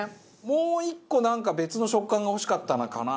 もう１個なんか別の食感が欲しかったかな。